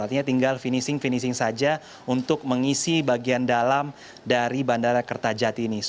artinya tinggal finishing finishing saja untuk mengisi bagian dalam dari bandara kertajati ini